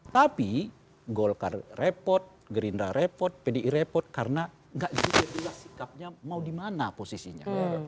tapi golkar repot gerindra repot pdi repot karena nggak diketahui lah sikapnya mau di mana posisinya